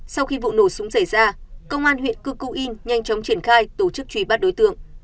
sau khi vụ nổ súng xảy ra công an huyện cư cu yên nhanh chóng triển khai tổ chức truy bắt đối tượng